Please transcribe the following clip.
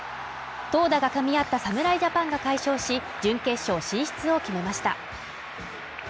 投打がかみ合った侍ジャパンが快勝し、準決勝進出を決めました。